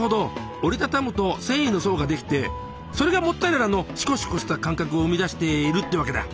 折り畳むと繊維の層ができてそれがモッツァレラのシコシコした感覚を生み出しているっていうわけだ。